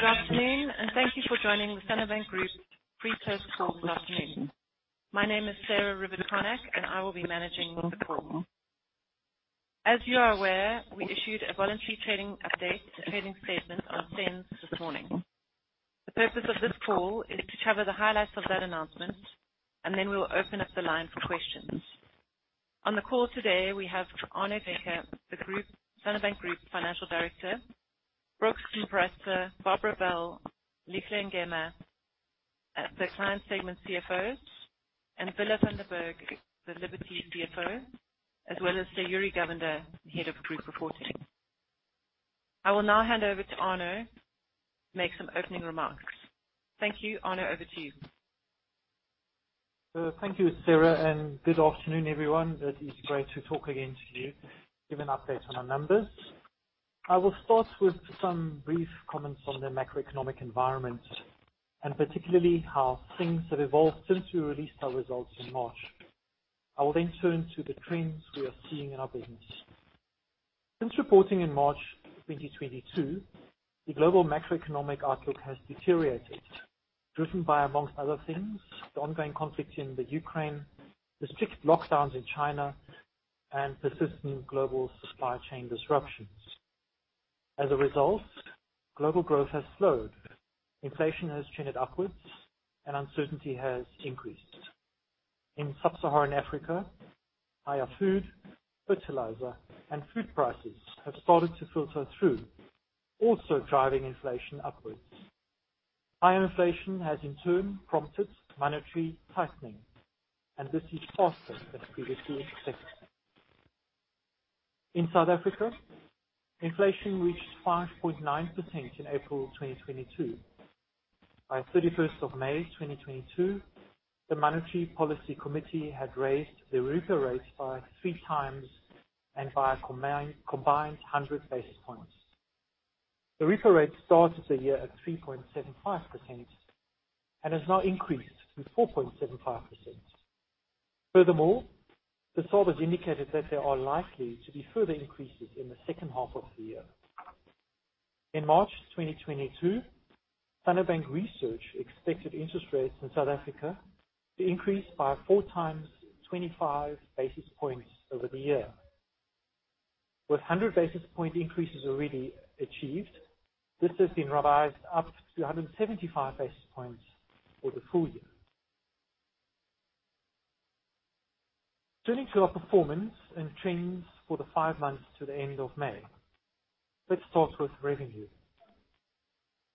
Good afternoon, and thank you for joining the Standard Bank Group pre-close call this afternoon. My name is Sarah Rivett-Carnac, and I will be managing the call. As you are aware, we issued a voluntary trading update, trading statement on SENS this morning. The purpose of this call is to cover the highlights of that announcement, and then we will open up the line for questions. On the call today, we have Arno Daehnke, the Group Financial Director, Standard Bank Group. Brooks Mparutsa, Barbara Bell, Lihle Ngema, the client segment CFOs, and Willa van den Berg, the Liberty CFO, as well as Sayuri Govender, Head of Group Reporting. I will now hand over to Arno to make some opening remarks. Thank you. Arno, over to you. Thank you, Sarah, and good afternoon, everyone. It is great to talk again to you, give an update on our numbers. I will start with some brief comments on the macroeconomic environment and particularly how things have evolved since we released our results in March. I will then turn to the trends we are seeing in our business. Since reporting in March 2022, the global macroeconomic outlook has deteriorated, driven by, among other things, the ongoing conflict in the Ukraine, the strict lockdowns in China, and persistent global supply chain disruptions. As a result, global growth has slowed, inflation has trended upwards, and uncertainty has increased. In sub-Saharan Africa, higher food, fertilizer, and food prices have started to filter through, also driving inflation upwards. Higher inflation has in turn prompted monetary tightening, and this is faster than previously expected. In South Africa, inflation reached 5.9% in April 2022. By 31st of May 2022, the Monetary Policy Committee had raised the repo rate by 3x and by a combined 100 basis points. The repo rate started the year at 3.75% and has now increased to 4.75%. Furthermore, the SARB indicated that there are likely to be further increases in the second half of the year. In March 2022, Standard Bank Research expected interest rates in South Africa to increase by 4x 25 basis points over the year. With 100 basis point increases already achieved, this has been revised up to 175 basis points for the full year. Turning to our performance and trends for the five months to the end of May. Let's start with revenue.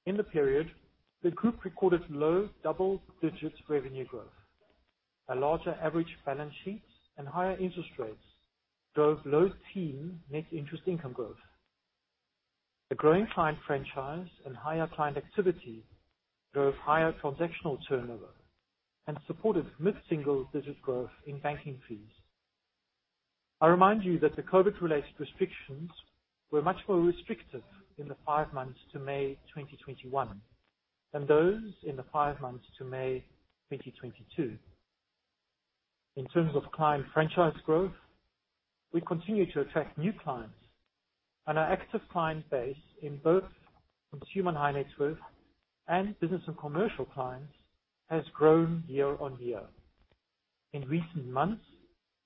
In the period, the group recorded low double-digit revenue growth. A larger average balance sheet and higher interest rates drove low-teen net interest income growth. A growing client franchise and higher client activity drove higher transactional turnover and supported mid-single digit growth in banking fees. I remind you that the COVID-related restrictions were much more restrictive in the five months to May 2021 than those in the five months to May 2022. In terms of client franchise growth, we continue to attract new clients. Our active client base in both Consumer and High Net Worth and Business and Commercial Clients has grown year-on-year. In recent months,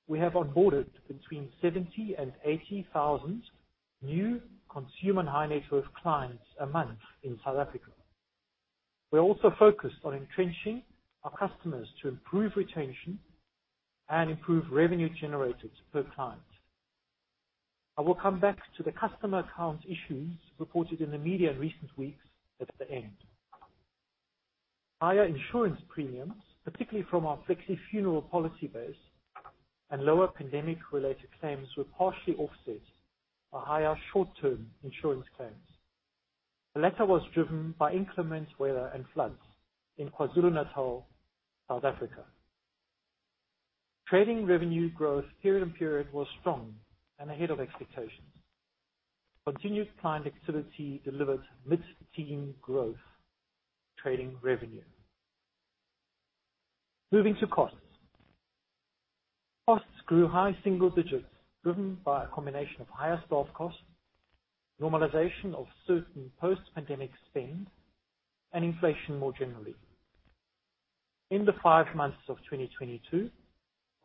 we have onboarded between 70,000 and 80,000 new Consumer and High Net Worth clients a month in South Africa. We are also focused on entrenching our customers to improve retention and improve revenue generated per client. I will come back to the customer account issues reported in the media in recent weeks at the end. Higher insurance premiums, particularly from our Flexible Funeral Plan base and lower pandemic-related claims were partially offset by higher short-term insurance claims. The latter was driven by inclement weather and floods in KwaZulu-Natal, South Africa. Trading revenue growth period-on-period was strong and ahead of expectations. Continuous client activity delivered mid-teen growth trading revenue. Moving to costs. Costs grew high single digits, driven by a combination of higher staff costs, normalization of certain post-pandemic spend, and inflation more generally. In the five months of 2022,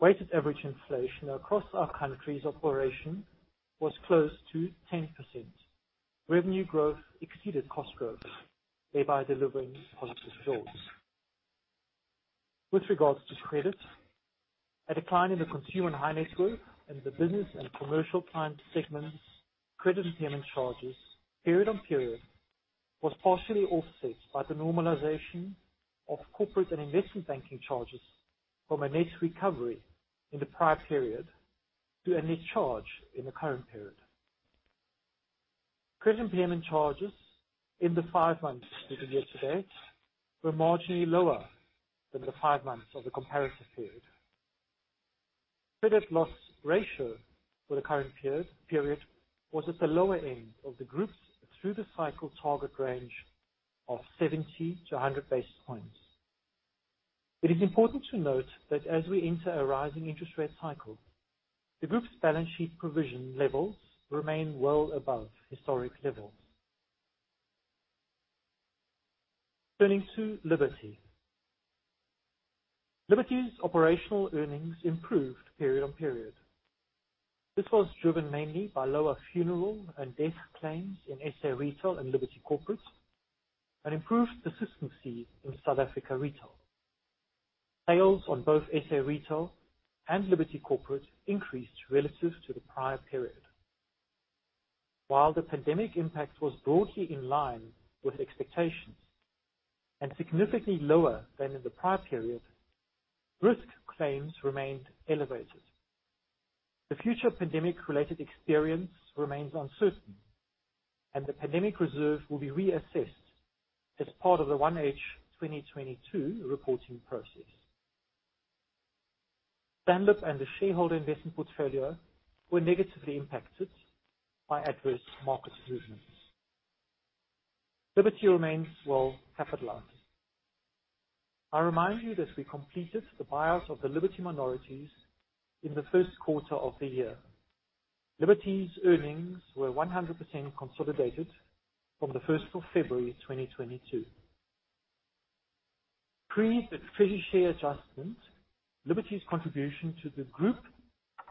weighted average inflation across our country's operation was close to 10%. Revenue growth exceeded cost growth, thereby delivering positive results. With regards to credit, a decline in the Consumer and High Net Worth and the Business and Commercial client segments, credit impairment charges period on period was partially offset by the normalization of corporate and investment banking charges from a net recovery in the prior period to a net charge in the current period. Credit impairment charges in the five months to yesterday were marginally lower than the five months of the comparative period. Credit loss ratio for the current period was at the lower end of the group's through the cycle target range of 70-100 basis points. It is important to note that as we enter a rising interest rate cycle, the group's balance sheet provision levels remain well above historic levels. Turning to Liberty. Liberty's operational earnings improved period on period. This was driven mainly by lower funeral and death claims in SA Retail and Liberty Corporate, and improved persistency in South Africa Retail. Sales on both SA Retail and Liberty Corporate increased relative to the prior period. While the pandemic impact was broadly in line with expectations and significantly lower than in the prior period, risk claims remained elevated. The future pandemic-related experience remains uncertain, and the pandemic reserve will be reassessed as part of the 1H 2022 reporting process. STANLIB and the shareholder investment portfolio were negatively impacted by adverse market movements. Liberty remains well capitalized. I remind you that we completed the buyout of the Liberty minorities in the first quarter of the year. Liberty's earnings were 100% consolidated from 1st of February, 2022. Pre-treasury share adjustment, Liberty's contribution to the group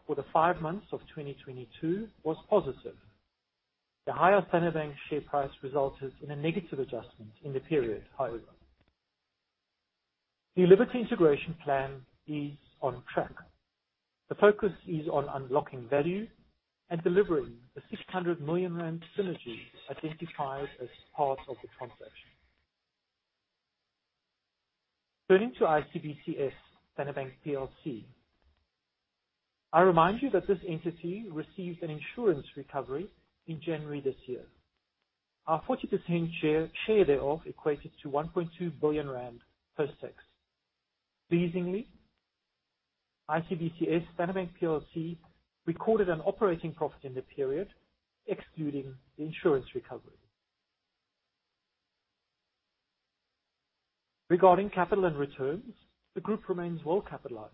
for the five months of 2022 was positive. The higher Standard Bank share price resulted in a negative adjustment in the period, however. The Liberty integration plan is on track. The focus is on unlocking value and delivering 600 million rand synergy identified as part of the transaction. Turning to ICBC Standard Bank Plc. I remind you that this entity received an insurance recovery in January this year. Our 40% share thereof equated to 1.2 billion rand post-tax. Pleasingly, ICBC Standard Bank Plc recorded an operating profit in the period excluding the insurance recovery. Regarding capital and returns, the group remains well capitalized,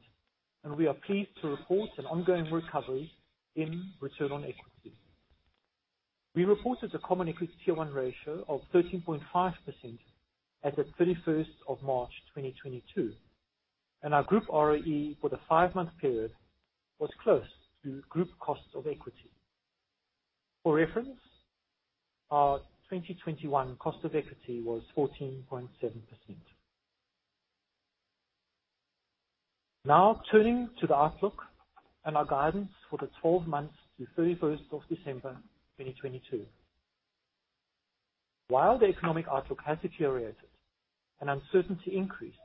and we are pleased to report an ongoing recovery in return on equity. We reported a Common Equity Tier 1 ratio of 13.5% as at 31st of March 2022, and our group ROE for the five-month period was close to group cost of equity. For reference, our 2021 cost of equity was 14.7%. Now turning to the outlook and our guidance for the 12 months to 31st of December 2022. While the economic outlook has deteriorated and uncertainty increased,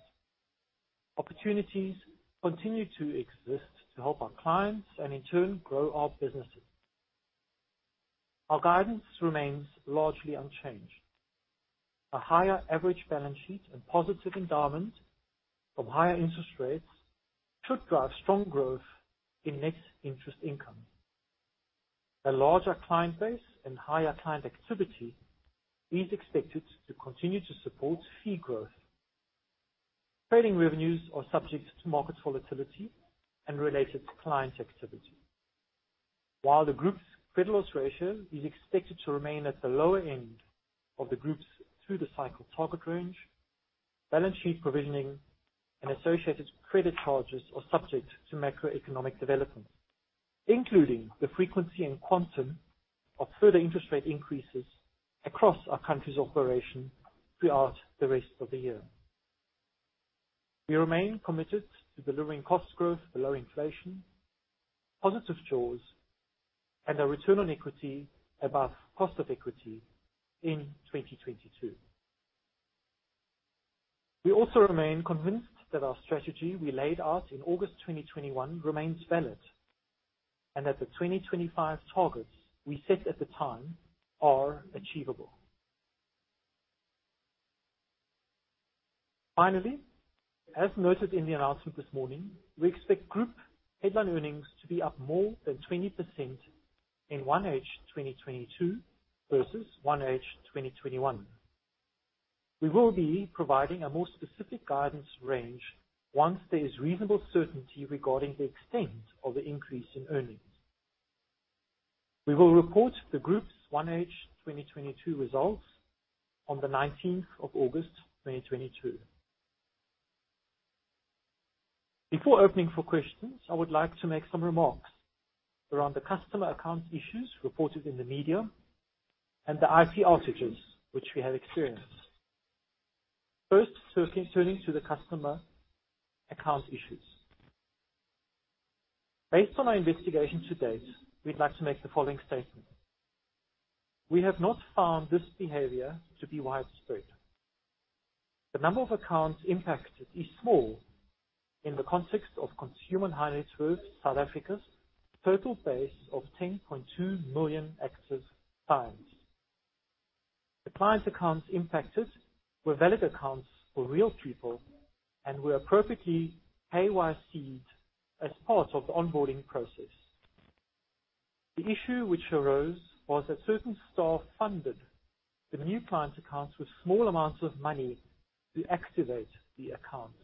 opportunities continue to exist to help our clients and in turn grow our businesses. Our guidance remains largely unchanged. A higher average balance sheet and positive endowment from higher interest rates should drive strong growth in net interest income. A larger client base and higher client activity is expected to continue to support fee growth. Trading revenues are subject to market volatility and related client activity. While the group's credit loss ratio is expected to remain at the lower end of the group's through-the-cycle target range, balance sheet provisioning and associated credit charges are subject to macroeconomic developments, including the frequency and quantum of further interest rate increases across our country's operation throughout the rest of the year. We remain committed to delivering cost growth below inflation, positive jaws, and a return on equity above cost of equity in 2022. We also remain convinced that our strategy we laid out in August 2021 remains valid, and that the 2025 targets we set at the time are achievable. Finally, as noted in the announcement this morning, we expect group headline earnings to be up more than 20% in 1H 2022 versus 1H 2021. We will be providing a more specific guidance range once there is reasonable certainty regarding the extent of the increase in earnings. We will report the group's 1H 2022 results on the 19th of August 2022. Before opening for questions, I would like to make some remarks around the customer account issues reported in the media and the IT outages which we have experienced. First, turning to the customer account issues. Based on our investigation to date, we'd like to make the following statement. We have not found this behavior to be widespread. The number of accounts impacted is small in the context of Consumer and High Net Worth South Africa's total base of 10.2 million active clients. The clients' accounts impacted were valid accounts for real people and were appropriately KYC'd as part of the onboarding process. The issue which arose was that certain staff funded the new client accounts with small amounts of money to activate the accounts.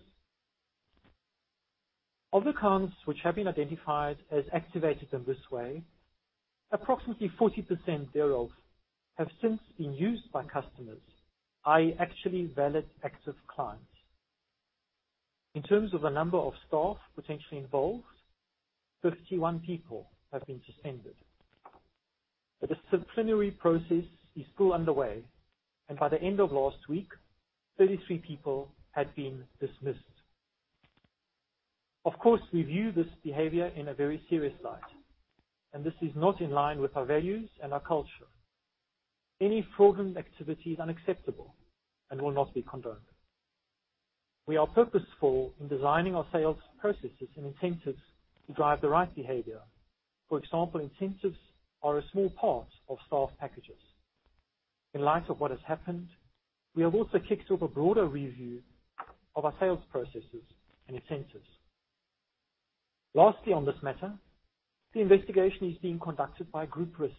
Of accounts which have been identified as activated in this way, approximately 40% thereof have since been used by customers, i.e., actually valid active clients. In terms of the number of staff potentially involved, 51 people have been suspended. The disciplinary process is still underway, and by the end of last week, 33 people had been dismissed. Of course, we view this behavior in a very serious light, and this is not in line with our values and our culture. Any fraudulent activity is unacceptable and will not be condoned. We are purposeful in designing our sales processes and incentives to drive the right behavior. For example, incentives are a small part of staff packages. In light of what has happened, we have also kicked off a broader review of our sales processes and incentives. Lastly, on this matter, the investigation is being conducted by group risk.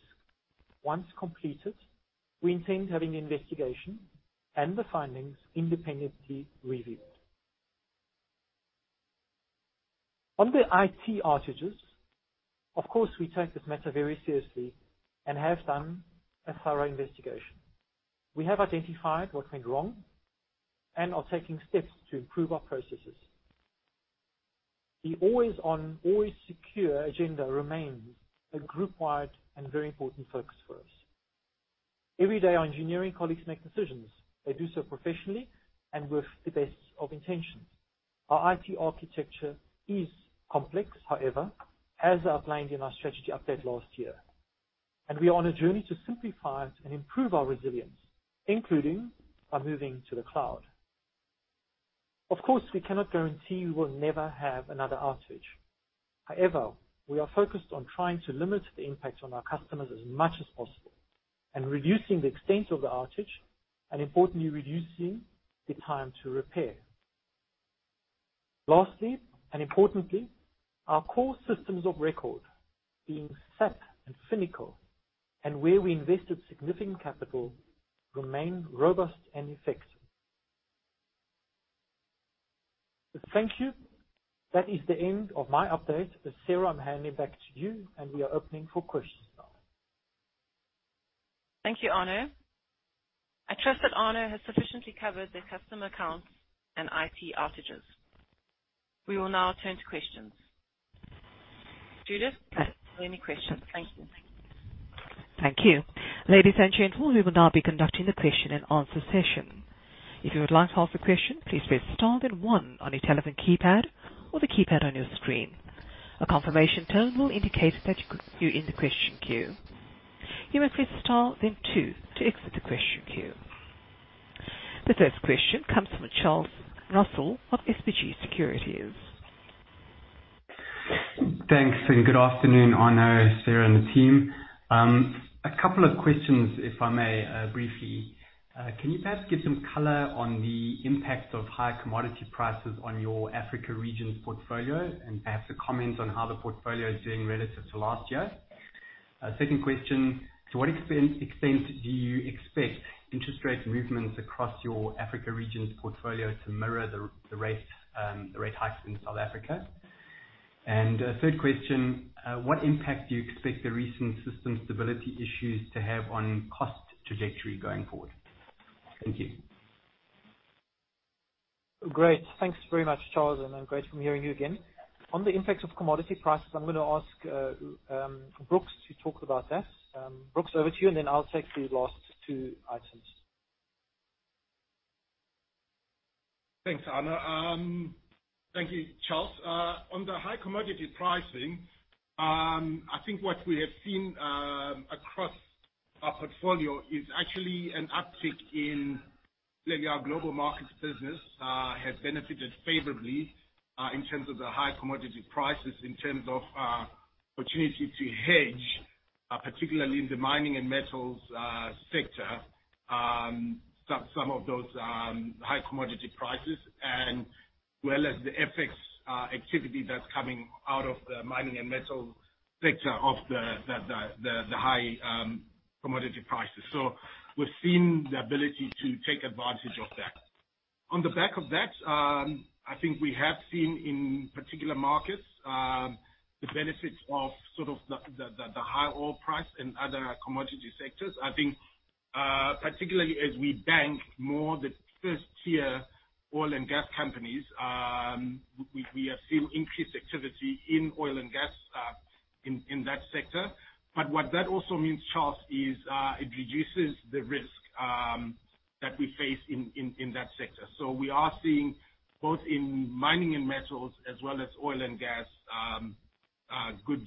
Once completed, we intend having the investigation and the findings independently reviewed. On the IT outages, of course, we take this matter very seriously and have done a thorough investigation. We have identified what went wrong and are taking steps to improve our processes. The always on, always secure agenda remains a group-wide and very important focus for us. Every day, our engineering colleagues make decisions. They do so professionally and with the best of intentions. Our IT architecture is complex, however, as outlined in our strategy update last year, and we are on a journey to simplify it and improve our resilience, including by moving to the cloud. Of course, we cannot guarantee we will never have another outage. However, we are focused on trying to limit the impact on our customers as much as possible and reducing the extent of the outage, and importantly, reducing the time to repair. Lastly, and importantly, our core systems of record, being SAP and Finacle, and where we invested significant capital, remain robust and effective. Thank you. That is the end of my update. Sarah, I'm handing back to you and we are opening for questions now. Thank you, Arno. I trust that Arno has sufficiently covered the customer accounts and IT outages. We will now turn to questions. Judith, any questions? Thank you. Thank you. Ladies and gentlemen, we will now be conducting the question and answer session. If you would like to ask a question, please press star then one on your telephone keypad or the keypad on your screen. A confirmation tone will indicate that you're in the question queue. You may press star then two to exit the question queue. The first question comes from Charles Russell of SBG Securities. Thanks, and good afternoon, Arno, Sarah, and the team. A couple of questions, if I may, briefly. Can you perhaps give some color on the impact of high commodity prices on your Africa regions portfolio, and perhaps a comment on how the portfolio is doing relative to last year? Second question, to what extent do you expect interest rate movements across your Africa regions portfolio to mirror the rate hikes in South Africa? Third question, what impact do you expect the recent system stability issues to have on cost trajectory going forward? Thank you. Great. Thanks very much, Charles, and great to hear from you again. On the impact of commodity prices, I'm gonna ask Brooks to talk about that. Brooks, over to you, and then I'll take the last two items. Thanks, Arno. Thank you, Charles. On the high commodity pricing, I think what we have seen across our portfolio is actually an uptick in maybe our Global Markets Business has benefited favorably in terms of the high commodity prices, in terms of opportunity to hedge, particularly in the mining and metals sector, some of those high commodity prices and as well as the FX activity that's coming out of the mining and metal sector of the high commodity prices. We've seen the ability to take advantage of that. On the back of that, I think we have seen in particular markets the benefits of sort of the high oil price and other commodity sectors. I think, particularly as we bank more the first-tier oil and gas companies, we have seen increased activity in oil and gas in that sector. What that also means, Charles, is it reduces the risk that we face in that sector. We are seeing both in mining and metals as well as oil and gas good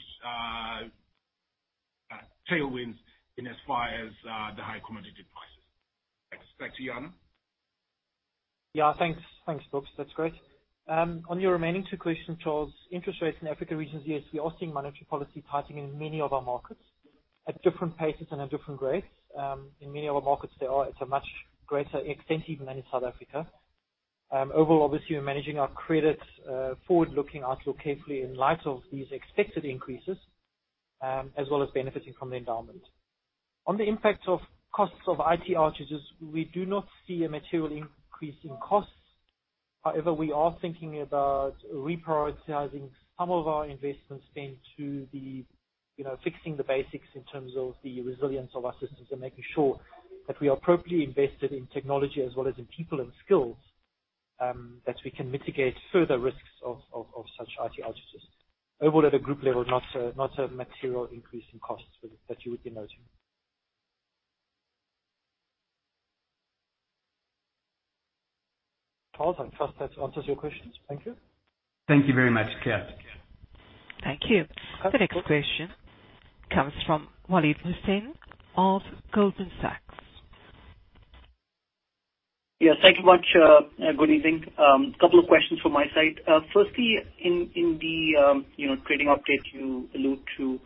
tailwinds insofar as the high commodity prices. Back to you, Arno. Yeah. Thanks. Thanks, Brooks. That's great. On your remaining two questions, Charles, interest rates in Africa regions, yes, we are seeing monetary policy tightening in many of our markets at different paces and at different grades. In many of our markets, they are at a much greater extent even than in South Africa. Overall, obviously, we're managing our credits, forward-looking outlook carefully in light of these expected increases, as well as benefiting from the endowment. On the impact of costs of IT outages, we do not see a material increase in costs. However, we are thinking about reprioritizing some of our investments into the, you know, fixing the basics in terms of the resilience of our systems and making sure that we are appropriately invested in technology as well as in people and skills, that we can mitigate further risks of such IT outages. Overall at a group level, not a material increase in costs that you would be noting. Charles, I trust that answers your questions. Thank you. Thank you very much. Clear. Thank you. Thank you. The next question comes from Waleed Mohsin of Goldman Sachs. Yes, thank you much. Good evening. Couple of questions from my side. Firstly, in the you know, trading update, you allude to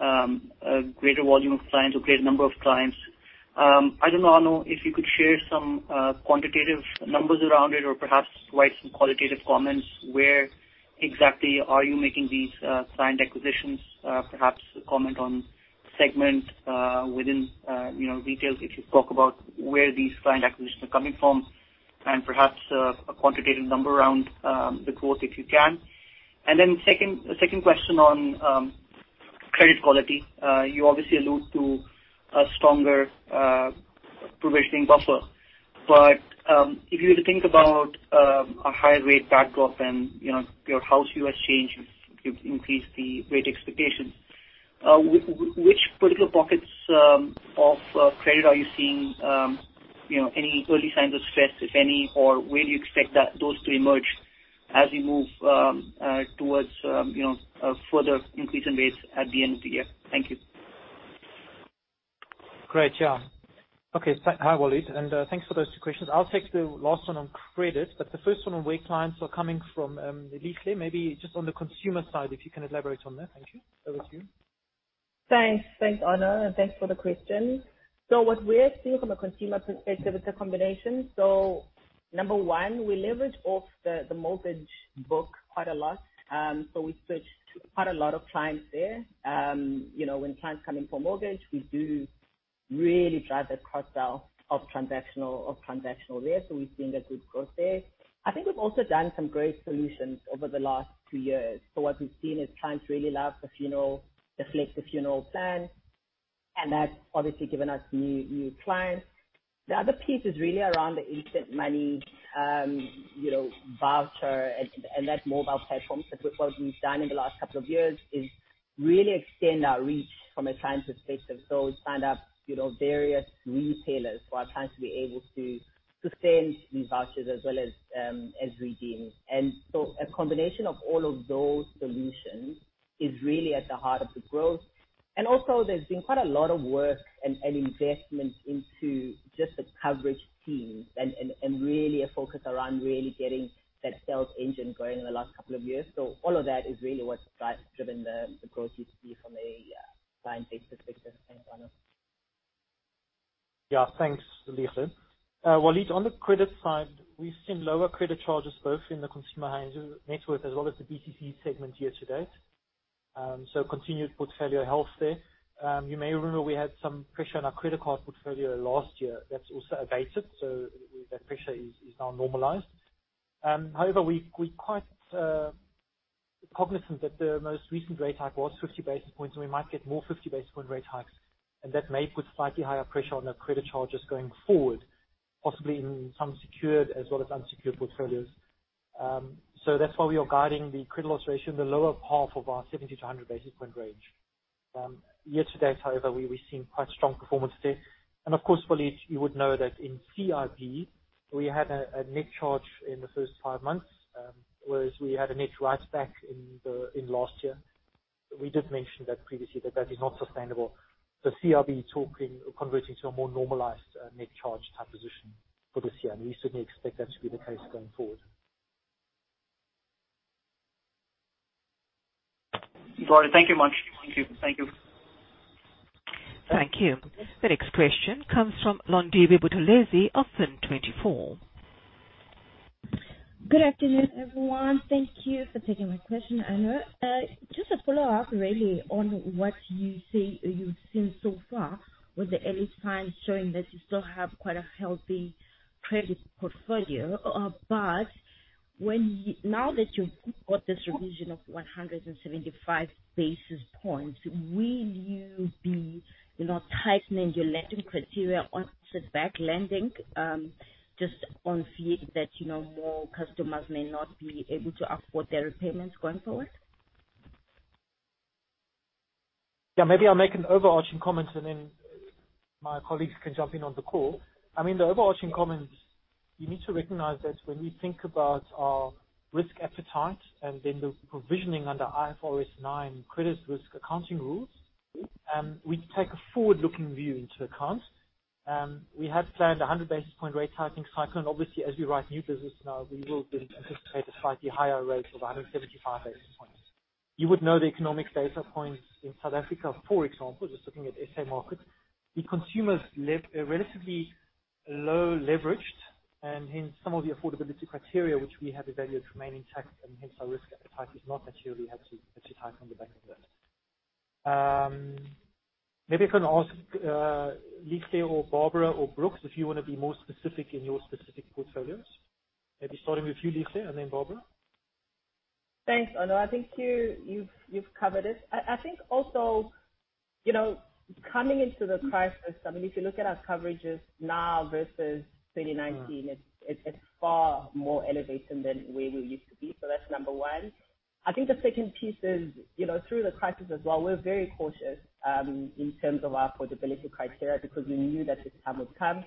a greater volume of clients or greater number of clients. I don't know, Arno, if you could share some quantitative numbers around it or perhaps provide some qualitative comments. Where exactly are you making these client acquisitions? Perhaps comment on segment within you know, details, if you talk about where these client acquisitions are coming from, and perhaps a quantitative number around the growth, if you can. Then second question on credit quality. You obviously allude to a stronger provisioning buffer. But if you were to think about a higher rate backdrop and you know, your house, you have changed, you've increased the rate expectations. Which particular pockets of credit are you seeing, you know, any early signs of stress, if any, or where do you expect those to emerge as we move towards, you know, a further increase in rates at the end of the year? Thank you. Great. Yeah. Okay. Hi, Waleed, and thanks for those two questions. I'll take the last one on credit, but the first one on where clients are coming from, Lihle, maybe just on the consumer side, if you can elaborate on that. Thank you. Over to you. Thanks. Thanks, Arno, and thanks for the question. What we're seeing from a consumer perspective is a combination. Number one, we leverage off the mortgage book quite a lot. We switched quite a lot of clients there. You know, when clients come in for mortgage, we do really drive the cross-sell of transactional there. We've seen a good growth there. I think we've also done some great solutions over the last two years. What we've seen is clients really love the funeral, the Flexible Funeral Plan, and that's obviously given us new clients. The other piece is really around the Instant Money, you know, voucher and that mobile platform. What we've done in the last couple of years is really extend our reach from a client perspective. We signed up, you know, various retailers for our clients to be able to send these vouchers as well as redeem. A combination of all of those solutions is really at the heart of the growth. There's been quite a lot of work and investment into just the coverage team and really a focus around really getting that sales engine going in the last couple of years. All of that is really what's driven the growth you see from a client base perspective. Thanks, Arno. Yeah. Thanks, Lihle. Waleed, on the credit side, we've seen lower credit charges both in the Consumer and High Net Worth as well as the BCC segment year to date. So continued portfolio health there. You may remember we had some pressure on our credit card portfolio last year. That's also abated, so that pressure is now normalized. However, we quite cognizant that the most recent rate hike was 50 basis points, and we might get more 50 basis point rate hikes. That may put slightly higher pressure on our credit charges going forward, possibly in some secured as well as unsecured portfolios. So that's why we are guiding the credit loss ratio in the lower half of our 70-100 basis point range. Year to date, however, we've seen quite strong performance there. Of course, Waleed, you would know that in CIB, we had a net charge in the first five months, whereas we had a net writeback in last year. We did mention that previously that is not sustainable. The CIB, converting to a more normalized net charge type position for this year. We certainly expect that to be the case going forward. All right. Thank you much. Thank you. Thank you. Thank you. The next question comes from Londiwe Buthelezi of Fin24. Good afternoon, everyone. Thank you for taking my question, Arno. Just a follow-up really on what you see, you've seen so far with the early signs showing that you still have quite a healthy credit portfolio. But now that you've got this revision of 175 basis points, will you be, you know, tightening your lending criteria on CIB lending, just on fear that, you know, more customers may not be able to afford their repayments going forward? Yeah, maybe I'll make an overarching comment, and then my colleagues can jump in on the call. I mean, the overarching comment, you need to recognize that when we think about our risk appetite and then the provisioning under IFRS 9 credit risk accounting rules, we take a forward-looking view into account. We had planned a 100 basis point rate hiking cycle. Obviously, as we write new business now, we will build, anticipate a slightly higher rate of 175 basis points. You would know the economic data points in South Africa, for example, just looking at SA markets. The consumers are relatively low leveraged, and hence some of the affordability criteria which we have evaluated remain intact, and hence our risk appetite is not materially had to tighten on the back of that. Maybe I can ask, Lihle or Barbara, or Brooks if you wanna be more specific in your specific portfolios. Maybe starting with you, Lihle, and then Barbara. Thanks, Arno. I think you've covered it. I think also, you know, coming into the crisis, I mean, if you look at our coverages now versus 2019, it's far more elevated than where we used to be. That's number one. I think the second piece is, you know, through the crisis as well, we're very cautious in terms of our affordability criteria because we knew that this time would come.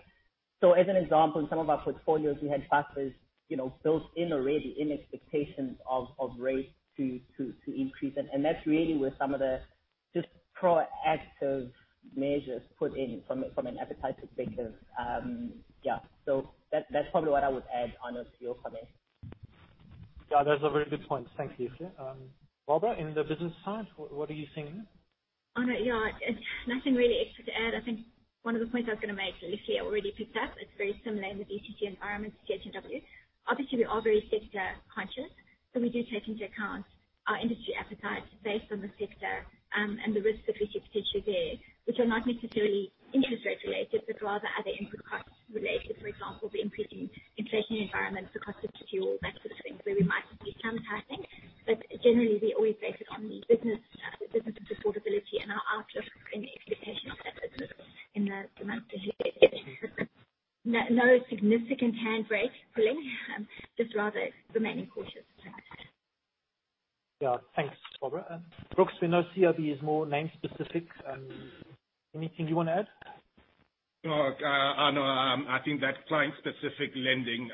As an example, in some of our portfolios, we had buffers, you know, built in already in expectations of rates to increase. That's really where some of the just proactive measures put in from an appetite perspective. Yeah, that's probably what I would add, Arno, to your comment. Yeah, those are very good points. Thank you, Lihle. Barbara, in the business side, what are you seeing? Arno, yeah. Nothing really extra to add. I think one of the points I was gonna make, Lihle already picked up. It's very similar in the B2C environment to CHNW. Obviously, we are very sector conscious, so we do take into account our industry appetite based on the sector, and the risks that we see potentially there, which are not necessarily interest rate related, but rather other input costs related. For example, the increasing inflation environment, the cost of fuel, that sort of thing, where we might be multitasking. Generally, we always base it on the business, the business' affordability and our outlook and expectation of that business in the months ahead. No, no significant handbrake pulling, just rather remaining cautious. Yeah. Thanks, Barbara. Brooks, we know CIB is more name specific. Anything you wanna add? No. Arno, I think that client-specific lending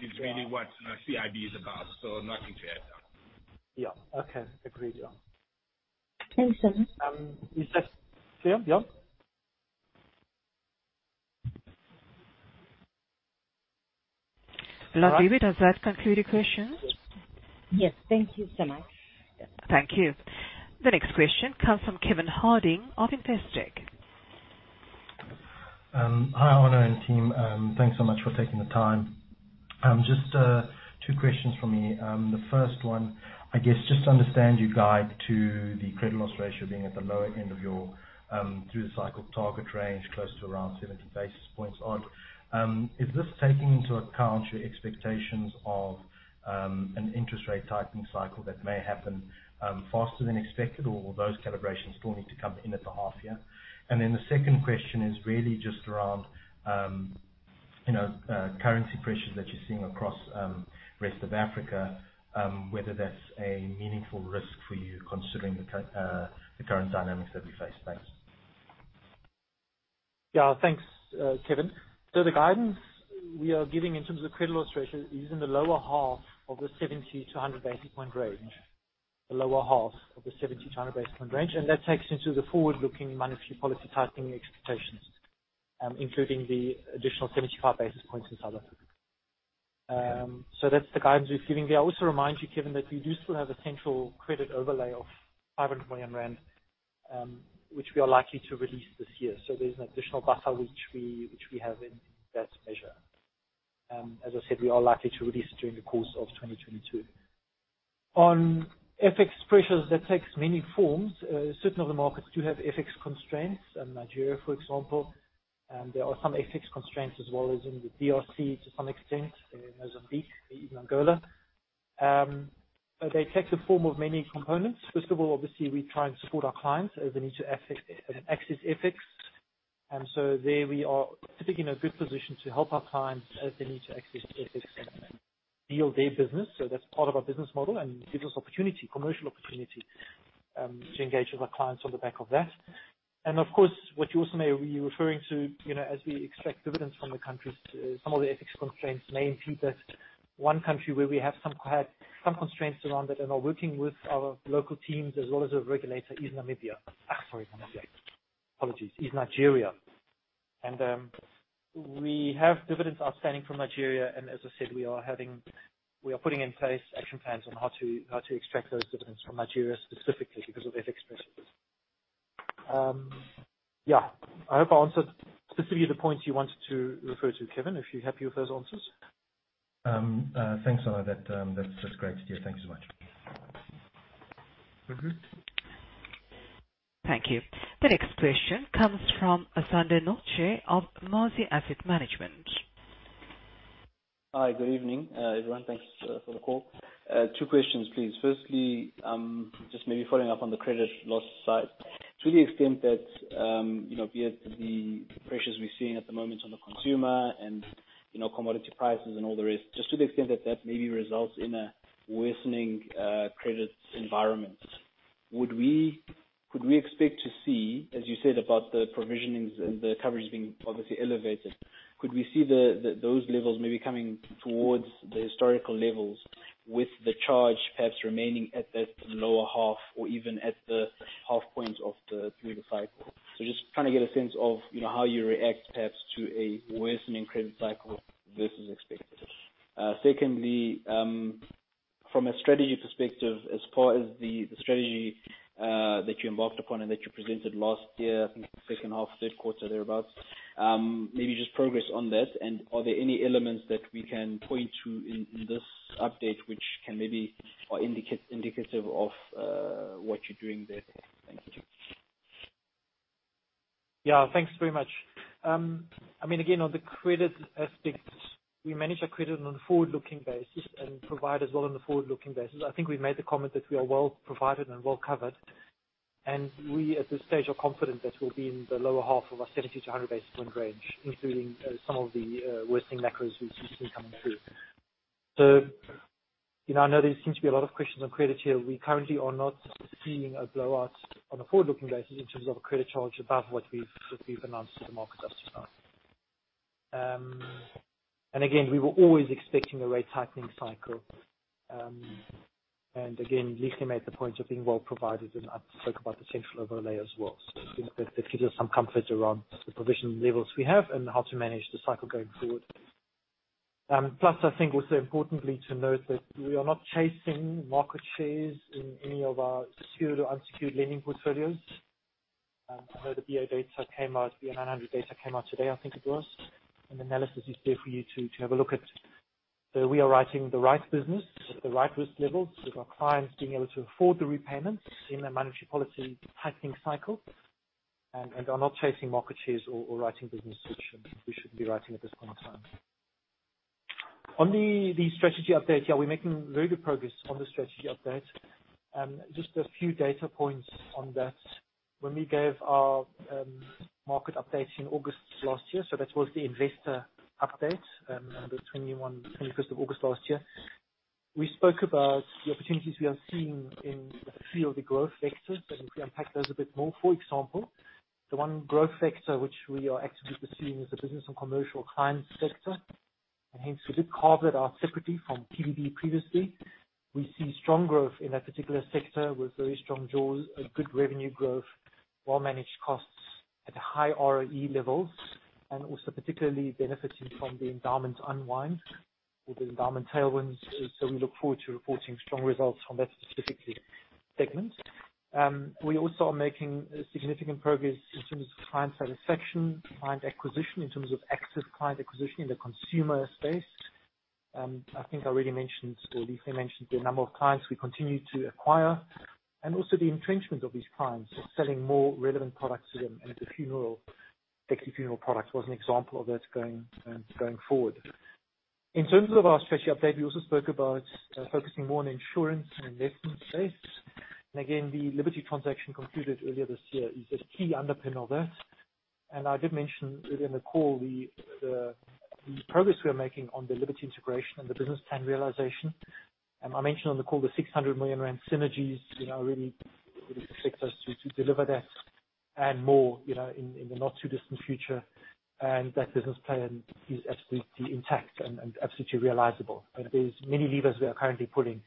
is really what CIB is about, so nothing to add. Yeah, okay. Agreed. Yeah. Thanks so much. Is that clear? Yeah. Londiwe, does that conclude your questions? Yes. Thank you so much. Thank you. The next question comes from Kevin Harding of Investec. Hi, Arno and team. Thanks so much for taking the time. Just two questions from me. The first one, I guess just to understand your guide to the credit loss ratio being at the lower end of your through the cycle target range, close to around 70 basis points odd. Is this taking into account your expectations of an interest rate tightening cycle that may happen faster than expected, or will those calibrations still need to come in at the half year? The second question is really just around, you know, currency pressures that you're seeing across rest of Africa, whether that's a meaningful risk for you considering the current dynamics that we face. Thanks. Yeah. Thanks, Kevin. The guidance we are giving in terms of credit loss ratio is in the lower half of the 70-100 basis point range. That takes into the forward-looking monetary policy tightening expectations, including the additional 75 basis points in South Africa. That's the guidance we're giving there. I also remind you, Kevin, that we do still have a central credit overlay of 500 million rand, which we are likely to release this year. There's an additional buffer which we have in that measure. As I said, we are likely to release it during the course of 2022. On FX pressures, that takes many forms. Certain of the markets do have FX constraints. Nigeria, for example. There are some FX constraints as well as in the DRC to some extent, in Mozambique, even Angola. They take the form of many components. First of all, obviously we try and support our clients as they need to access FX. There we are typically in a good position to help our clients as they need to access FX and deal their business. That's part of our business model and gives us opportunity, commercial opportunity, to engage with our clients on the back of that. Of course, what you also may be referring to, you know, as we extract dividends from the countries, some of the FX constraints may impede that. One country where we had some constraints around that and are working with our local teams as well as the regulator is Namibia. Sorry, wrong country. Apologies. It's Nigeria. We have dividends outstanding from Nigeria, and as I said, we are putting in place action plans on how to extract those dividends from Nigeria specifically because of FX pressures. Yeah. I hope I answered specifically the points you wanted to refer to, Kevin, if you're happy with those answers. Thanks, Arno. That's great to hear. Thank you so much. Very good. Thank you. The next question comes from Asanda Notshe of Mazi Asset Management. Hi. Good evening, everyone. Thanks for the call. Two questions, please. Firstly, just maybe following up on the credit loss side. To the extent that, you know, be it the pressures we're seeing at the moment on the consumer and, you know, commodity prices and all the rest, just to the extent that that maybe results in a worsening, credit environment, would we, could we expect to see, as you said, about the provisionings and the coverage being obviously elevated, could we see those levels maybe coming towards the historical levels with the charge perhaps remaining at that lower half or even at the half point of the credit cycle? Just trying to get a sense of, you know, how you react perhaps to a worsening credit cycle versus expectations. Secondly, from a strategy perspective, as far as the strategy that you embarked upon and that you presented last year, I think second half, third quarter thereabout, maybe just progress on that. Are there any elements that we can point to in this update which can maybe or indicate, indicative of what you're doing there? Thank you. Yeah, thanks very much. I mean, again, on the credit aspects, we manage our credit on a forward-looking basis and provide as well on a forward-looking basis. I think we made the comment that we are well provided and well covered. We, at this stage, are confident that we'll be in the lower half of our 70-100 basis point range, including some of the worsening macros we've seen coming through. You know, I know there seems to be a lot of questions on credit here. We currently are not seeing a blowout on a forward-looking basis in terms of a credit charge above what we've announced to the market up to now. We were always expecting a rate tightening cycle. Again, Lihle made the point of being well provided, and I spoke about the central overlay as well. I think that gives you some comfort around the provision levels we have and how to manage the cycle going forward. Plus, I think also importantly to note that we are not chasing market shares in any of our secured or unsecured lending portfolios. I know the BA900 data came out, the BA900 data came out today, I think it was. An analysis is there for you to have a look at. We are writing the right business at the right risk levels with our clients being able to afford the repayments in a monetary policy tightening cycle, and we are not chasing market shares or writing businesses which we shouldn't be writing at this point in time. Strategy update, yeah, we're making very good progress on the strategy update. Just a few data points on that. When we gave our market update in August last year, so that was the investor update on the 21st of August last year. We spoke about the opportunities we are seeing in a few of the growth vectors, and we unpacked those a bit more. For example, the one growth vector which we are actively pursuing is the Business and Commercial Clients sector. Hence we did carve out ours separately from PBB previously. We see strong growth in that particular sector with very strong jaws, a good revenue growth, well-managed costs at high ROE levels, and also particularly benefiting from the endowment unwind or the endowment tailwinds. We look forward to reporting strong results from that specific segment. We are making significant progress in terms of client satisfaction, client acquisition, in terms of active client acquisition in the consumer space. I think I already mentioned, or Lihle mentioned the number of clients we continue to acquire and also the entrenchment of these clients. Selling more relevant products to them, and the funeral, actually, funeral product was an example of that going forward. In terms of our strategy update, we also spoke about focusing more on insurance and investment space. Again, the Liberty transaction concluded earlier this year is a key underpin of that. I did mention within the call the progress we are making on the Liberty integration and the business plan realization. I mentioned on the call the 600 million rand synergies. You know, I really expect us to deliver that and more, you know, in the not too distant future. That business plan is absolutely intact and absolutely realizable. There's many levers we are currently pulling,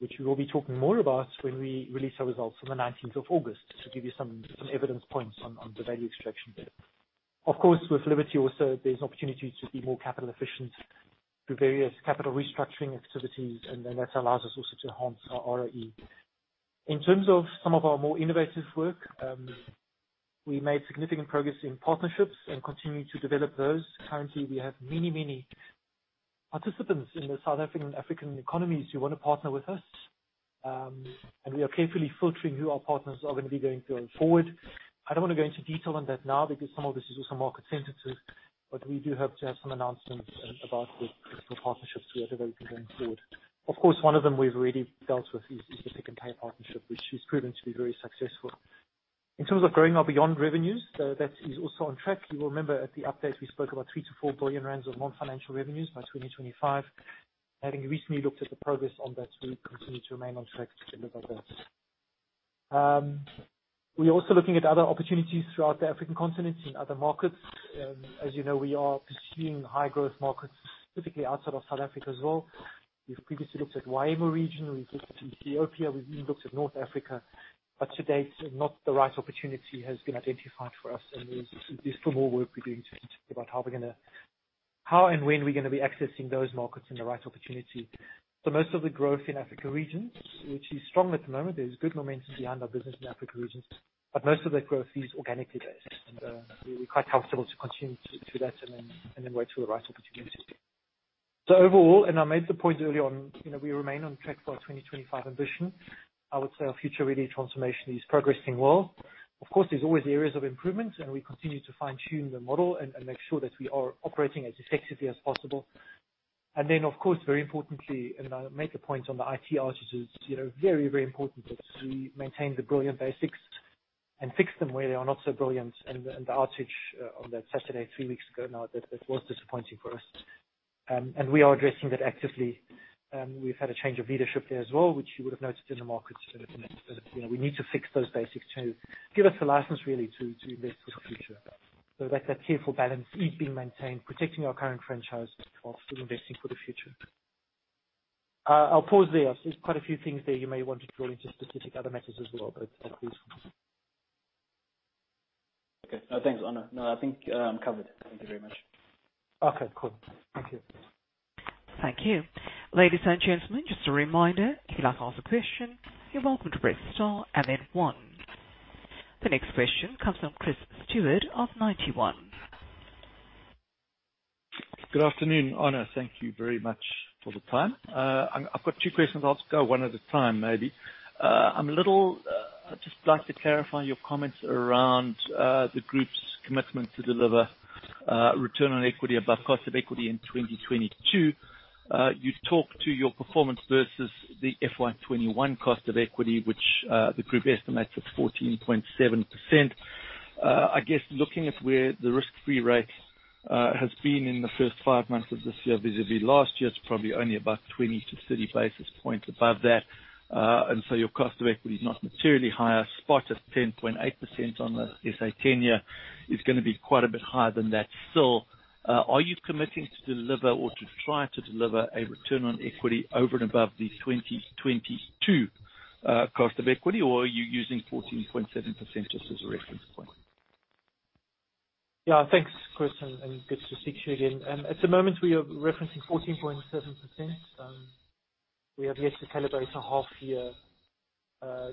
which we will be talking more about when we release our results on the 19th of August. To give you some evidence points on the value extraction there. Of course, with Liberty also, there's opportunity to be more capital efficient through various capital restructuring activities. Then that allows us also to enhance our ROE. In terms of some of our more innovative work, we made significant progress in partnerships and continue to develop those. Currently, we have many participants in the South African economies who wanna partner with us. We are carefully filtering who our partners are gonna be going forward. I don't wanna go into detail on that now because some of this is also market sensitive. We do hope to have some announcements about the partnerships we are developing going forward. Of course, one of them we've already dealt with is the Pick n Pay partnership, which has proven to be very successful. In terms of growing our beyond revenues, that is also on track. You will remember at the update, we spoke about 3 billion-4 billion rand of non-financial revenues by 2025. Having recently looked at the progress on that, we continue to remain on track to deliver that. We're also looking at other opportunities throughout the African continent in other markets. As you know, we are pursuing high growth markets, specifically outside of South Africa as well. We've previously looked at WAMU region, we've looked at Ethiopia, we've even looked at North Africa. To date, not the right opportunity has been identified for us. There's still more work we're doing to think about how and when we're gonna be accessing those markets and the right opportunity. Most of the growth in African regions, which is strong at the moment, there's good momentum behind our business in African regions. Most of that growth is organically based. We're quite comfortable to continue to that and then wait for the right opportunity. Overall, I made the point early on, you know, we remain on track for our 2025 ambition. I would say our future-ready transformation is progressing well. Of course, there's always areas of improvement, and we continue to fine-tune the model and make sure that we are operating as effectively as possible. Then, of course, very importantly, and I make a point on the IT outages, you know, very, very important that we maintain the brilliant basics and fix them where they are not so brilliant. The outage on that Saturday, three weeks ago now, that was disappointing for us. We are addressing that actively. We've had a change of leadership there as well, which you would have noticed in the markets. You know, we need to fix those basics to give us a license really to invest for the future. That careful balance is being maintained, protecting our current franchise whilst investing for the future. I'll pause there. There's quite a few things there you may want to drill into specific other matters as well, but at least. Okay. No, thanks, Arno. No, I think, I'm covered. Thank you very much. Okay, cool. Thank you. Thank you. Ladies and gentlemen, just a reminder, if you'd like to ask a question, you're welcome to press star and then one. The next question comes from Chris Steward of Ninety One. Good afternoon, Arno. Thank you very much for the time. I've got two questions. I'll just go one at a time maybe. I'd just like to clarify your comments around the group's commitment to deliver return on equity above cost of equity in 2022. You've talked to your performance versus the FY 2021 cost of equity, which the group estimates is 14.7%. I guess looking at where the risk-free rate has been in the first five months of this year, vis-a-vis last year, it's probably only about 20-30 basis points above that. Your cost of equity is not materially higher, spot is 10.8% on the SA ten-year is gonna be quite a bit higher than that. Still, are you committing to deliver or to try to deliver a return on equity over and above the 2022 cost of equity, or are you using 14.7% just as a reference point? Yeah. Thanks, Chris, and good to see you again. At the moment, we are referencing 14.7%. We have yet to calibrate a half year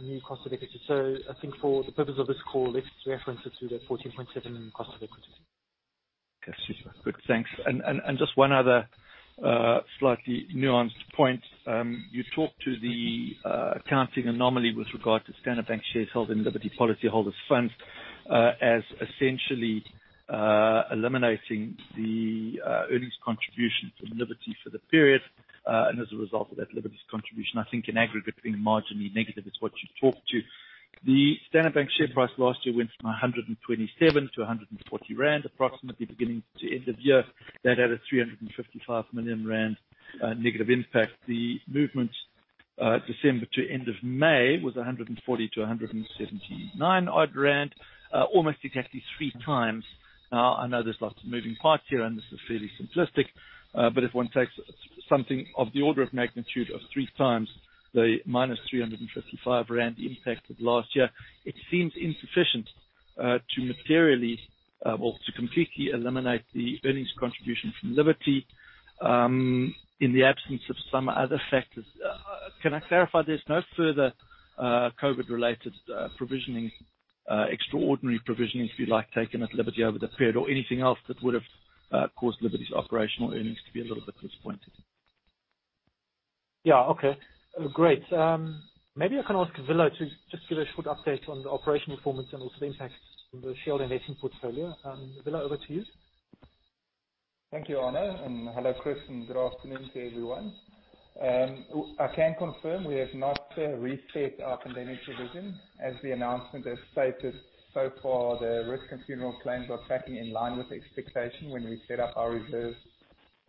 new cost of equity. I think for the purpose of this call, let's reference it to the 14.7% cost of equity. Just one other slightly nuanced point. You talked to the accounting anomaly with regard to Standard Bank shares held in Liberty policyholders' funds as essentially eliminating the earnings contribution from Liberty for the period. As a result of that, Liberty's contribution, I think in aggregate being marginally negative is what you've talked to. The Standard Bank share price last year went from 127-140 rand, approximately beginning to end of year. That had a 355 million rand negative impact. The movement December to end of May was 140-179 rand odd almost exactly 3x. Now, I know there's lots of moving parts here, and this is fairly simplistic, but if one takes something of the order of magnitude of 3x the -355 rand impact of last year, it seems insufficient to materially, well, to completely eliminate the earnings contribution from Liberty, in the absence of some other factors. Can I clarify there's no further COVID-related provisionings, extraordinary provisionings, if you like, taken at Liberty over the period or anything else that would've caused Liberty's operational earnings to be a little bit disappointed? Yeah. Okay. Great. Maybe I can ask Willa to just give a short update on the operational performance and also the impact from the shared investment portfolio. Willa, over to you. Thank you, Arno, and hello, Chris, and good afternoon to everyone. I can confirm we have not reset our pandemic provision. As the announcement has stated, so far, the risk and funeral claims are tracking in line with expectation when we set up our reserves.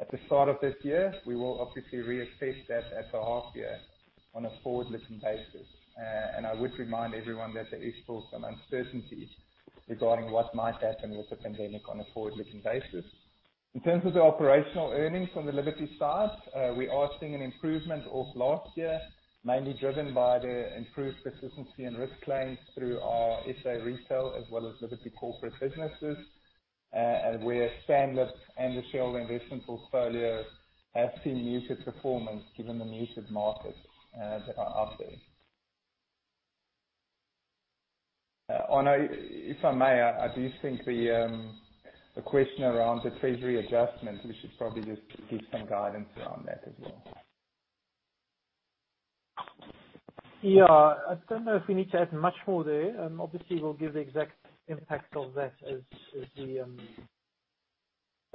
At the start of this year, we will obviously reassess that at the half year on a forward-looking basis. I would remind everyone that there is still some uncertainties regarding what might happen with the pandemic on a forward-looking basis. In terms of the operational earnings from the Liberty side, we are seeing an improvement off last year, mainly driven by the improved consistency and risk claims through our SA Retail as well as Liberty Corporate businesses, and where Sanlam and the shared investment portfolio have seen muted performance given the muted markets that are out there. Arno, if I may, I do think the question around the treasury adjustment, we should probably just give some guidance around that as well. Yeah. I don't know if we need to add much more there. Obviously we'll give the exact impact of that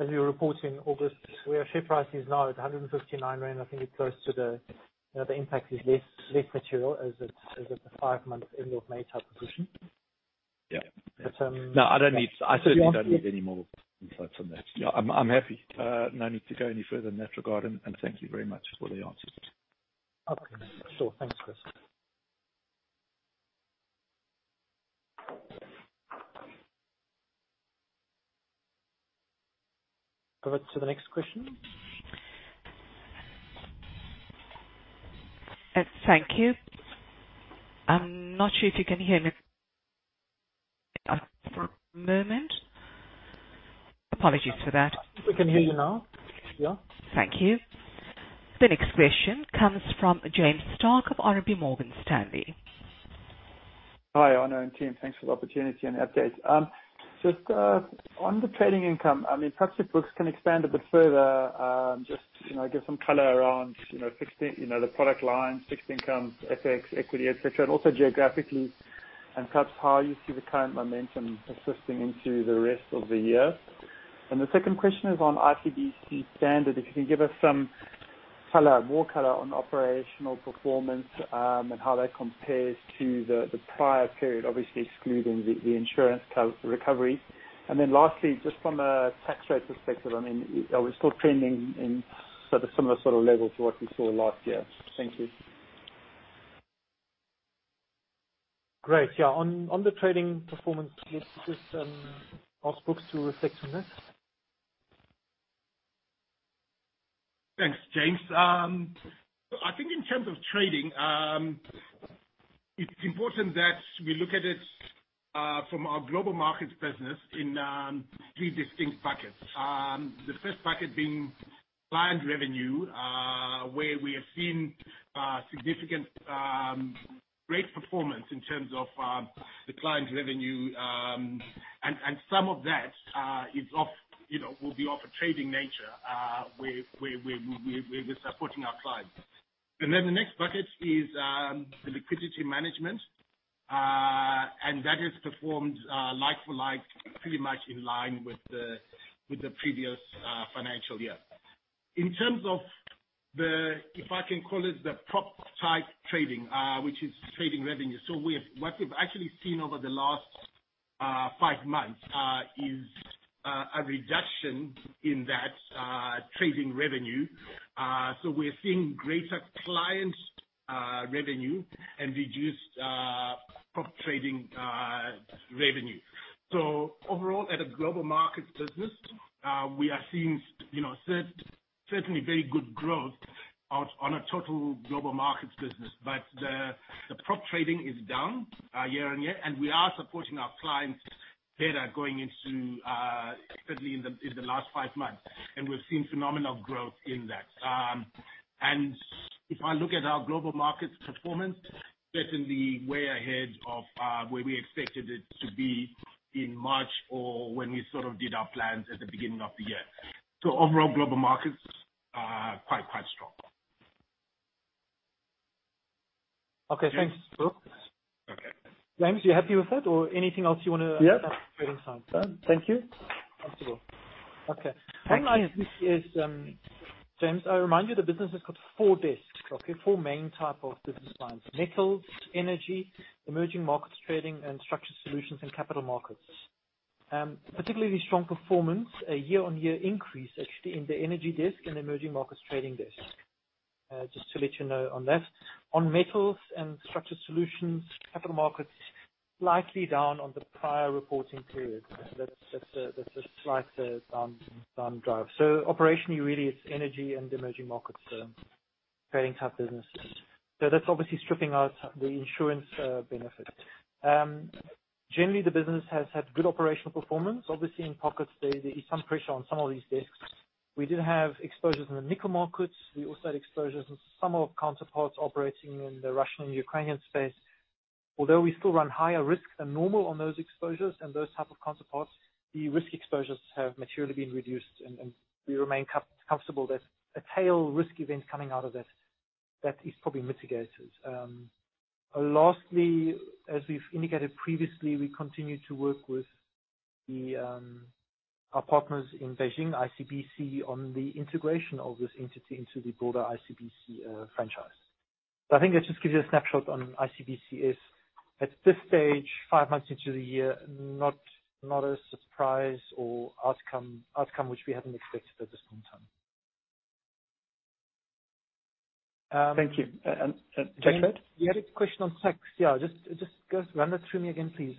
as we report in August, where our share price is now at 159 rand. I think it's close to the, you know, the impact is less material as it's a five-month end of May type position. Yeah. But, um. No, I don't need, I certainly don't need any more insights on that. Yeah, I'm happy. No need to go any further in that regard, and thank you very much for the answers. Okay. Sure. Thanks, Chris. Over to the next question. Thank you. I'm not sure if you can hear me for a moment. Apologies for that. We can hear you now. Yeah. Thank you. The next question comes from James Starke of RMB Morgan Stanley. Hi, Arno and team. Thanks for the opportunity and update. Just on the trading income, I mean, perhaps if Brooks can expand a bit further, just, you know, give some color around, you know, the product lines, fixed income, FX, equity, et cetera, and also geographically, and perhaps how you see the current momentum assisting into the rest of the year. The second question is on ICBC Standard. If you can give us some color, more color on operational performance, and how that compares to the prior period, obviously excluding the insurance recovery. Then lastly, just from a tax rate perspective, I mean, are we still trending in sort of similar sort of levels to what we saw last year? Thank you. Great. Yeah. On the trading performance, let's just ask Brooks to reflect on that. Thanks, James. I think in terms of trading, it's important that we look at it from our Global Markets Business in three distinct buckets. The first bucket being client revenue, where we have seen significant great performance in terms of the client revenue. And some of that is off, you know, will be of a trading nature. We're supporting our clients. Then the next bucket is the liquidity management. And that has performed like for like, pretty much in line with the previous financial year. In terms of the, if I can call it the prop type trading, which is trading revenue. What we've actually seen over the last five months is a reduction in that trading revenue. We're seeing greater client revenue and reduced prop trading revenue. Overall, at a Global Markets Business, we are seeing, you know, certainly very good growth out on a total Global Markets Business. The prop trading is down year-on-year, and we are supporting our clients better going into, certainly in the last five months, and we've seen phenomenal growth in that. If I look at our Global Markets performance, certainly way ahead of where we expected it to be in March or when we sort of did our plans at the beginning of the year. Overall Global Markets are quite strong. Okay. Thanks, Brooks. Okay. James, are you happy with it or anything else you wanna? Yes. Add trading side? No, thank you. Thanks. Okay. Hang on. James, let me remind you the business has got four desks, okay? Four main type of business lines: metals, energy, emerging markets trading, and structured solutions and capital markets. Particularly strong performance, a year-on-year increase actually in the energy desk and emerging markets trading desk. Just to let you know on that. On metals and structured solutions, capital markets likely down on the prior reporting period. That's a slight downdraft. Operationally, really it's energy and emerging markets trading type businesses. That's obviously stripping out the insurance benefit. Generally the business has had good operational performance. Obviously in pockets there is some pressure on some of these desks. We did have exposures in the nickel markets. We also had exposures in some of counterparts operating in the Russian and Ukrainian space. Although we still run higher risk than normal on those exposures and those type of counterparts, the risk exposures have materially been reduced, and we remain comfortable that a tail risk event coming out of that is probably mitigated. Lastly, as we've indicated previously, we continue to work with our partners in Beijing, ICBC on the integration of this entity into the broader ICBC franchise. I think that just gives you a snapshot on ICBC at this stage, five months into the year, not a surprise or outcome which we hadn't expected at this point in time. Thank you. Tax rate? The other question on tax. Yeah, just go, run that through me again, please.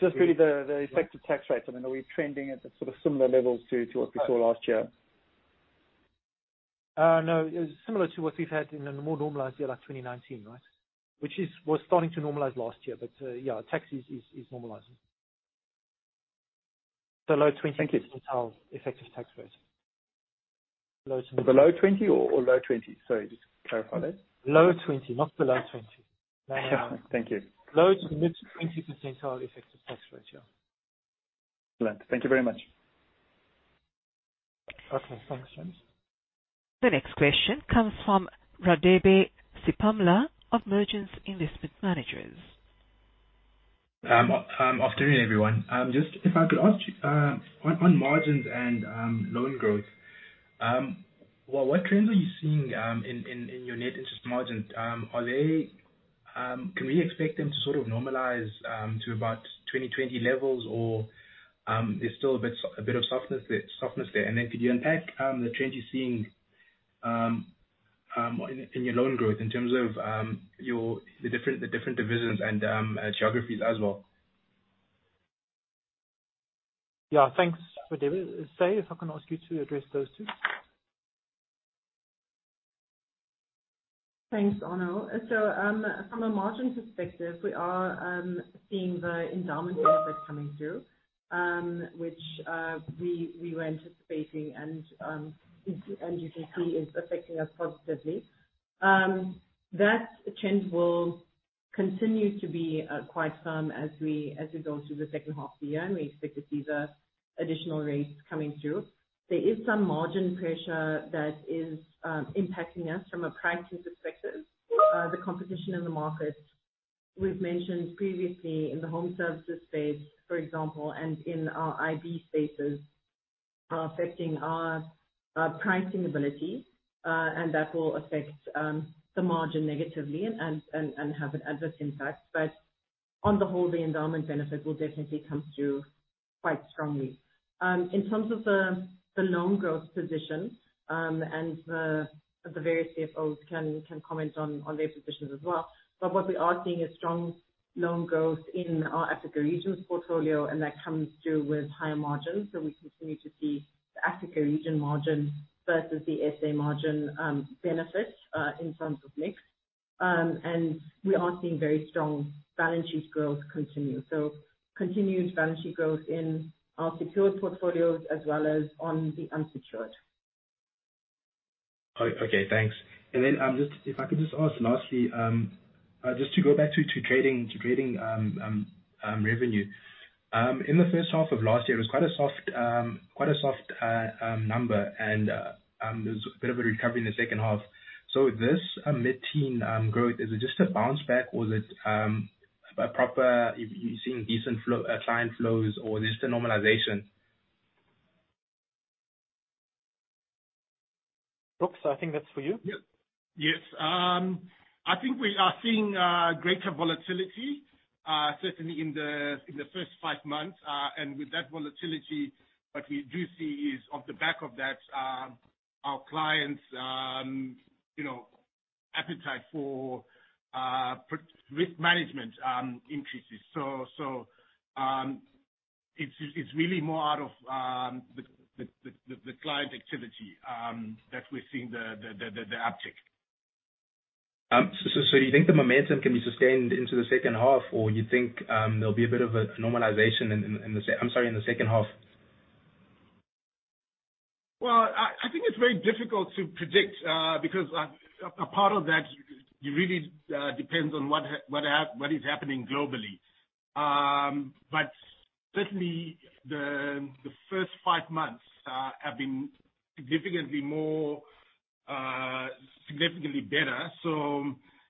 Just really the effective tax rate. I mean, are we trending at the sort of similar levels to what we saw last year? No. Similar to what we've had in a more normalized year, like 2019, right? Which was starting to normalize last year. Yeah, tax is normalizing. Below 20. Thank you. Percentile effective tax rate. Below 20% or low 2%0s? Sorry. Just clarify that. Low 20%, not below 20%. Thank you. Low to mid 20% effective tax rate, yeah. Excellent. Thank you very much. Okay. Thanks, James. The next question comes from Radebe Sipamla of Mergence Investment Managers. Afternoon everyone. Just if I could ask, on margins and loan growth, well, what trends are you seeing in your net interest margins? Can we expect them to sort of normalize to about 2020 levels or there's still a bit of softness there? Could you unpack the trends you're seeing in your loan growth in terms of the different divisions and geographies as well? Yeah. Thanks, Radebe. Sayuri, if I can ask you to address those two. Thanks, Arno. From a margins perspective, we are seeing the endowment benefits coming through, which we were anticipating. You can see it's affecting us positively. That trend will continue to be quite firm as we go through the second half of the year, and we expect to see the additional rates coming through. There is some margin pressure that is impacting us from a pricing perspective. The competition in the market we've mentioned previously in the home services space, for example, and in our IB spaces, are affecting our pricing ability, and that will affect the margin negatively and have an adverse impact. On the whole, the endowment benefit will definitely come through quite strongly. In terms of the loan growth position, and the various CFOs can comment on their positions as well, but what we are seeing is strong loan growth in our Africa regions portfolio, and that comes through with higher margins. We continue to see the Africa region margin versus the SA margin benefits in terms of mix. We are seeing very strong balance sheet growth continue. Continued balance sheet growth in our secured portfolios as well as on the unsecured. Okay, thanks. Just if I could just ask lastly, just to go back to trading revenue. In the first half of last year, it was quite a soft number and there was a bit of a recovery in the second half. This mid-teen growth, is it just a bounce back or is it a proper. You're seeing decent flow, client flows or just a normalization? Brooks, I think that's for you. Yep. Yes. I think we are seeing greater volatility, certainly in the first five months. With that volatility, what we do see is on the back of that, our clients' you know, appetite for risk management increases. It's really more out of the client activity that we're seeing the uptick. You think the momentum can be sustained into the second half, or you think there'll be a bit of a normalization in the second half? Well, I think it's very difficult to predict, because a part of that really depends on what is happening globally. Certainly the first five months have been significantly better.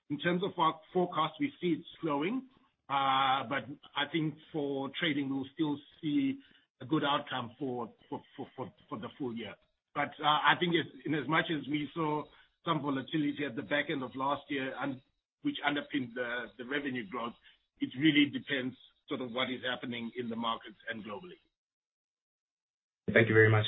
In terms of our forecast, we see it slowing. I think for trading we'll still see a good outcome for the full year. I think inasmuch as we saw some volatility at the back end of last year, which underpinned the revenue growth, it really depends sort of what is happening in the markets and globally. Thank you very much.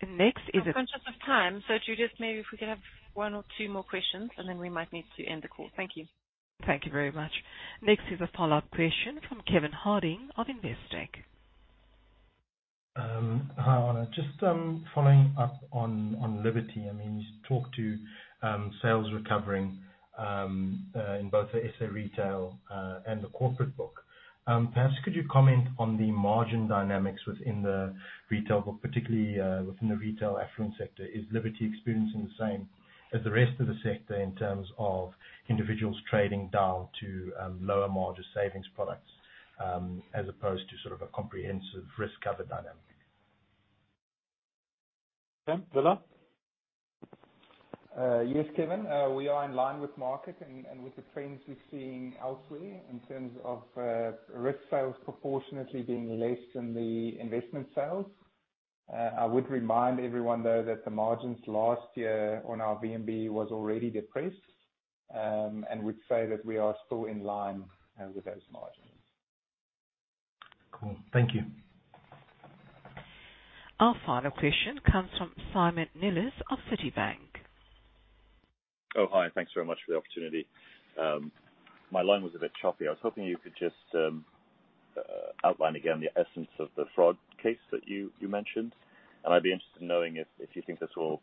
The next is a. We're conscious of time. Judith, maybe if we could have one or two more questions, and then we might need to end the call. Thank you. Thank you very much. Next is a follow-up question from Kevin Harding of Investec. Hi. Just following up on Liberty. I mean, you talked to sales recovering in both the SA Retail and the corporate book. Perhaps could you comment on the margin dynamics within the retail book, particularly within the retail affluent sector. Is Liberty experiencing the same as the rest of the sector in terms of individuals trading down to lower margin savings products as opposed to sort of a comprehensive risk cover dynamic? Willa? Yes, Kevin, we are in line with market and with the trends we're seeing elsewhere in terms of risk sales proportionately being less than the investment sales. I would remind everyone, though, that the margins last year on our VNB was already depressed, and would say that we are still in line with those margins. Cool. Thank you. Our final question comes from Simon Nellis of Citi. Oh, hi. Thanks very much for the opportunity. My line was a bit choppy. I was hoping you could just outline again the essence of the fraud case that you mentioned. I'd be interested in knowing if you think this will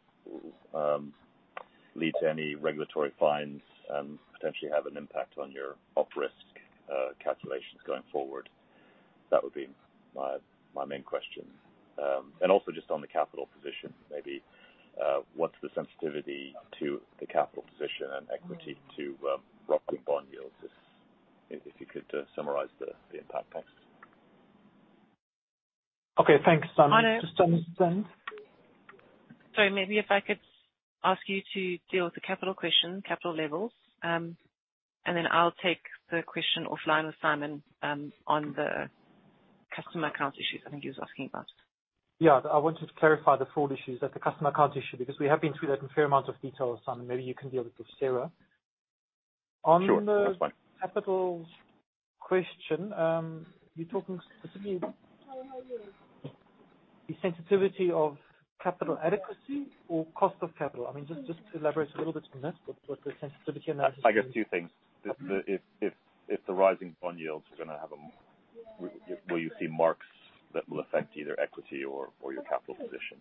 lead to any regulatory fines, potentially have an impact on your operational risk calculations going forward. That would be my main question. And also just on the capital position, maybe, what's the sensitivity to the capital position and equity to a shock to bond yields? If you could summarize the impact thanks. Okay. Thanks, Simon. Arno. Just. Sorry. Maybe if I could ask you to deal with the capital question, capital levels, and then I'll take the question offline with Simon, on the customer account issues I think he was asking about. Yeah. I wanted to clarify the fraud issues. That's a customer account issue, because we have been through that in fair amount of detail. Simon, maybe you can deal with Sarah. Sure. That's fine. On the capital question, you're talking specifically the sensitivity of capital adequacy or cost of capital? I mean, just to elaborate a little bit on that, what the sensitivity analysis. I guess two things. Okay. If the rising bond yields are gonna have a will you see marks that will affect either equity or your capital position?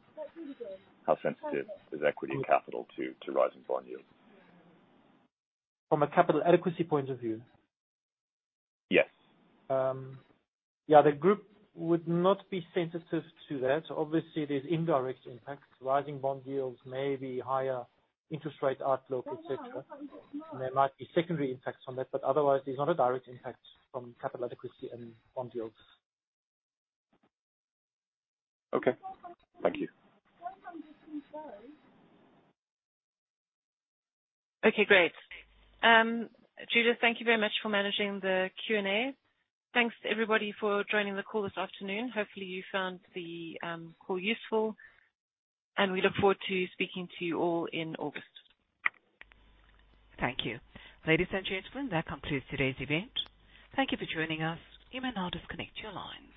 How sensitive is equity and capital to rising bond yields? From a capital adequacy point of view? Yes. Yeah, the group would not be sensitive to that. Obviously, there's indirect impact. Rising bond yields may be higher interest rate outlook, et cetera. There might be secondary impacts from that. Otherwise, there's not a direct impact from capital adequacy and bond yields. Okay. Thank you. Okay, great. Judith, thank you very much for managing the Q&A. Thanks to everybody for joining the call this afternoon. Hopefully, you found the call useful, and we look forward to speaking to you all in August. Thank you. Ladies and gentlemen, that concludes today's event. Thank you for joining us. You may now disconnect your lines.